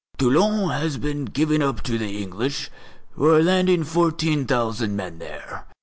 Toulon has been given up to the English, who are landing fourteen thousand men there.